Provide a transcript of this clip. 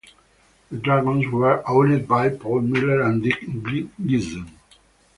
The Dragons were owned by Paul Miller, and Dick Giesen.